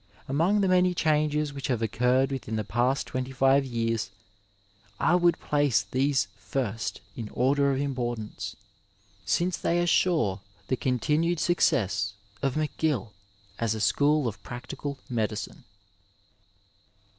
Among the many changes which have occurred within the past twenty five years, I would place these first in order of importance, since they assure the continued success of McGill as a school of practi cal medicine.